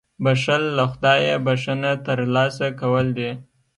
• بښل له خدایه بښنه ترلاسه کول دي.